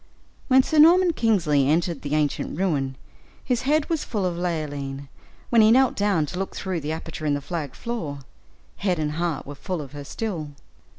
When Sir Norman Kingsley entered the ancient ruin, his head was full of Leoline when he knelt down to look through the aperture in the flagged floor, head and heart were full of her still.